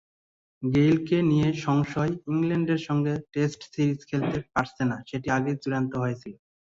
গেইলকে নিয়ে সংশয়ইংল্যান্ডের সঙ্গে test series খেলতে পারছেন না, সেটি আগেই চূড়ান্ত হয়েছিল।